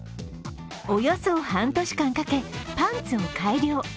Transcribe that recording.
およそ半年間かけ、パンツを改良。